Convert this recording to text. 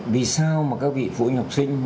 vì sao mà các vị phụ huynh học sinh